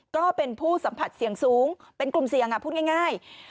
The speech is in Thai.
ก็เป็นผู้สัมผัสเสี่ยงสูงเป็นกลุ่มเสี่ยงพูดง่าย